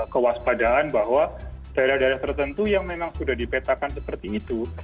kewaspadaan bahwa daerah daerah tertentu yang memang sudah dipetakan seperti itu